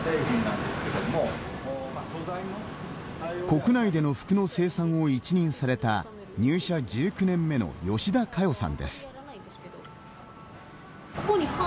国内での服の生産を一任された入社１９年目の吉田佳代さんです。